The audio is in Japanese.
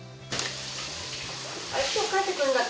今日帰ってくんだっけ？